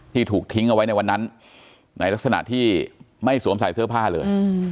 ถูกทิ้งเอาไว้ในวันนั้นในลักษณะที่ไม่สวมใส่เสื้อผ้าเลย